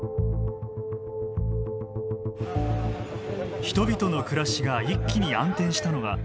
人々の暮らしが一気に暗転したのは２年前。